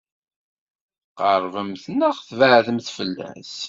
Tqeṛbemt neɣ tbeɛdemt fell-as?